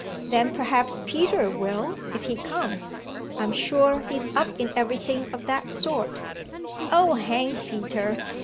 "Then perhaps Peter will if he comes. I'm sure he's up in everything of that sort." "Oh hang Peter!"